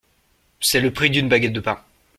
C’est le prix d’une baguette de pain.